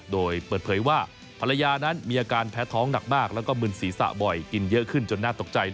โดยเปิดเผยว่าภรรยานั้นมีอาการแพ้ท้องหนักมากแล้วก็มึนศีรษะบ่อยกินเยอะขึ้นจนน่าตกใจ